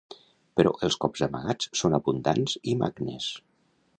Però els cops amagats són abundants i magnes.